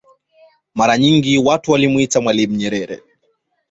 Mara nyingi watu walimwita mwalimu Nyerere